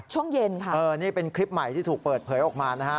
ช่วงเย็นค่ะเออนี่เป็นคลิปใหม่ที่ถูกเปิดเผยออกมานะฮะ